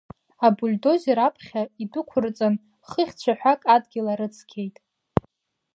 Абульдозер аԥхьа идәықәырҵан, хыхь цәаҳәак адгьыл арыцқьеит.